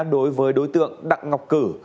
đối với đối tượng đặng ngọc cử